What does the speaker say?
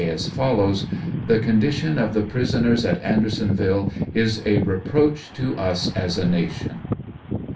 as follows: ''The condition of the prisoners at Andersonville is a reproach to us as a nation."